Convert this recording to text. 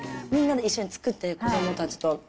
みんなで一緒に作って、子どもたちと。